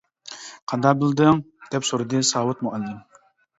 -قانداق بىلدىڭ؟ -دەپ سورىدى ساۋۇت مۇئەللىم.